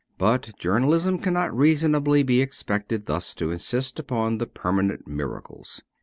But journal ism cannot reasonably be expected thus to insist upon the permanent miracles.